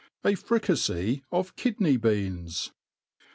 A Pricafey of Kidney Beans.